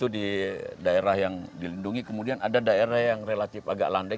di daerah yang dilindungi kemudian ada daerah yang relatif agak landai